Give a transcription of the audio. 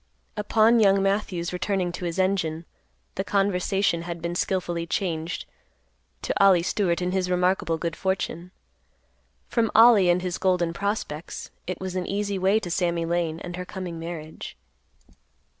Upon Young Matthews returning to his engine, the conversation had been skilfully changed, to Ollie Stewart and his remarkable good fortune. From Ollie and his golden prospects, it was an easy way to Sammy Lane and her coming marriage.